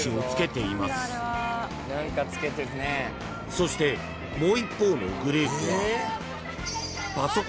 ［そしてもう一方のグループは］